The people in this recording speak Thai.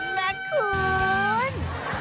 แม่คุณ